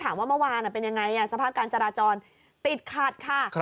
เมื่อวานเป็นยังไงสภาพการจราจรติดขัดค่ะ